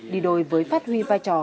đi đôi với phát huy vai trò